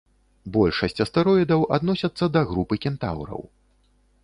Большасць астэроідаў адносяцца да групы кентаўраў.